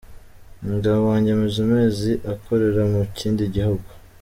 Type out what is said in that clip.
Umugabo wanjye amaze amezi akorera mu kindi gihugu”.